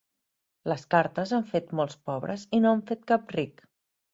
Les cartes han fet molts pobres i no han fet cap ric.